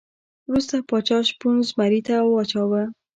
وروسته پاچا شپون زمري ته واچاوه.